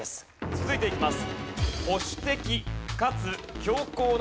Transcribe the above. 続いていきます。